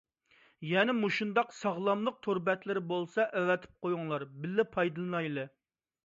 يەنە مۇشۇنداق ساغلاملىق تور بەتلىرى بولسا ئەۋەتىپ قويۇڭلار، بىللە پايدىلىنايلى.